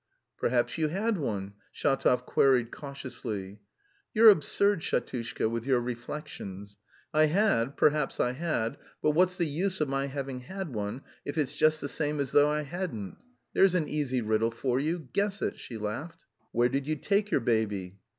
"Perhaps you had one?" Shatov queried cautiously. "You're absurd, Shatushka, with your reflections. I had, perhaps I had, but what's the use of my having had one, if it's just the same as though I hadn't. There's an easy riddle for you. Guess it!" she laughed. "Where did you take your baby?"